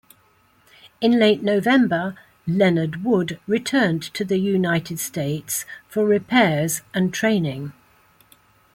In late November, "Leonard Wood" returned to the United States for repairs and training.